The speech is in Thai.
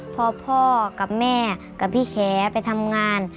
พอพ่อกับแม่กับพี่แฉไปทำงาน